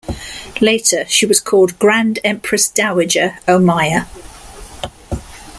Later, she was called Grand Empress Dowager Omiya.